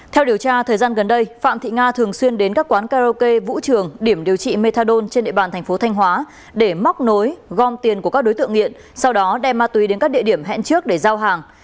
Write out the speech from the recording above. theo điều tra thời gian gần đây phạm thị nga thường xuyên đến các quán karaoke vũ trường điểm điều trị methadon trên địa bàn thành phố thanh hóa để móc nối gom tiền của các đối tượng nghiện sau đó đem ma túy đến các địa điểm hẹn trước để giao hàng